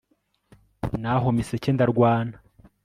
naho miseke ndarwana